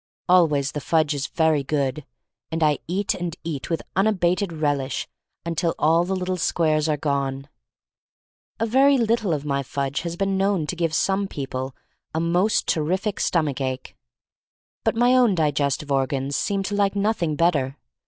Always the fudge is very good, and I eat and eat with unabated relish until all the little squares are gone. A very little of my fudge has been known to give some people a most terrific stom ach ache — ^but my own digestive organs seem to like nothing better.